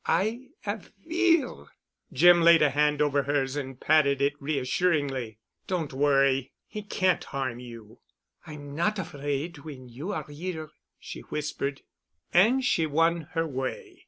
I 'ave fear——" Jim laid a hand over hers and patted it reassuringly. "Don't worry. He can't harm you." "I am not afraid when you are 'ere,——" she whispered. And she won her way.